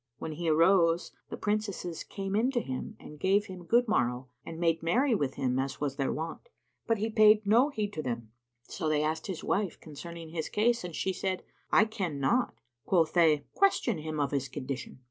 When he arose, the Princesses came in to him and gave him good morrow and made merry with him as was their wont; but he paid no heed to them; so they asked his wife concerning his case and she said, "I ken not." Quoth they, "Question him of his condition."